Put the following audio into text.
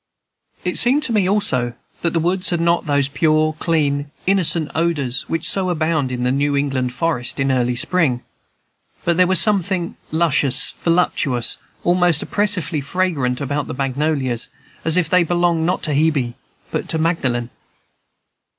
It seemed to me also that the woods had not those pure, clean, innocent odors which so abound in the New England forest in early spring; but there was something luscious, voluptuous, almost oppressively fragrant about the magnolias, as if they belonged not to Hebe, but to Magdalen.